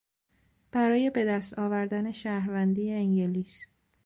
برای به دست آوردن شهروندی انگلیس